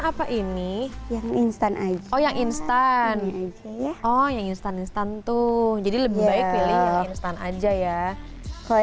apa ini yang instan aja oh yang instan instan tuh jadi lebih baik pilih instan aja ya kalau